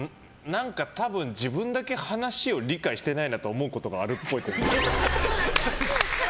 何か多分、自分だけ話を理解してないなと思うことがあるっぽい。